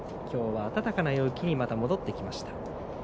きょうは、暖かな陽気にまた戻ってきました。